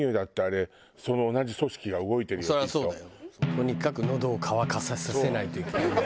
とにかくのどを渇かさせないといけない。